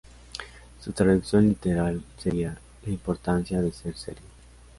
Su traducción literal sería "La importancia de ser serio".